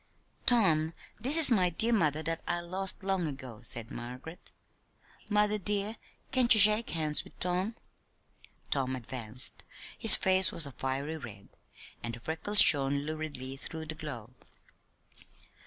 "Tom, this is my dear mother that I lost long ago," said Margaret. "Mother, dear, can't you shake hands with Tom?" Tom advanced. His face was a fiery red, and the freckles shone luridly through the glow.